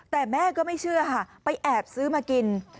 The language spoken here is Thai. แต่แม่ก็ไม่เชื่อค่ะไปแอบซื้อมากิน